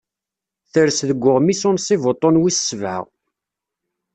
Tres deg uɣmis unsib uṭṭun wis ssebɛa.